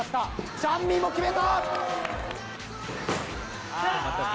チャンミンも決めた！